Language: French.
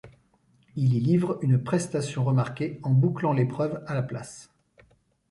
Il y livre une prestation remarquée, en bouclant l'épreuve à la place.